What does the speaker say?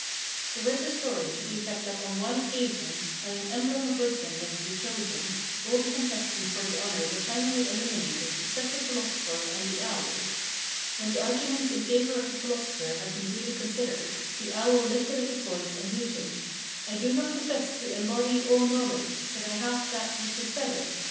There is a story to the effect that on one occasion, when an emblem of wisdom was to be chosen, all the contestants for the honor were finally eliminated except the Philosopher and the Owl. When the arguments in favor of the Philosopher had been duly considered, the Owl lifted up his voice and hooted: "I do not profess to embody all knowledge, but I have that which is better.